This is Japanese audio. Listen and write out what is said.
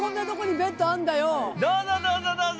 どうぞどうぞどうぞ。